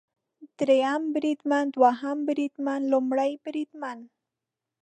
دریم بریدمن، دوهم بریدمن ، لومړی بریدمن